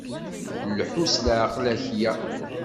Lḥu s leɛqel akya.